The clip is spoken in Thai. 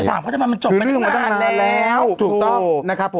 คำถามก็จะมันมันจบคือเรื่องมันต้องร้านแล้วถูกต้องนะครับผม